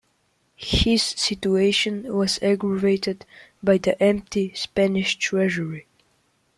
His situation was aggravated by the empty Spanish treasury.